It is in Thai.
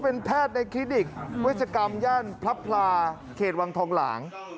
เป็นที่สำคัญนะครับ